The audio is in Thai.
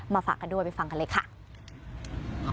ฝากกันด้วยไปฟังกันเลยค่ะ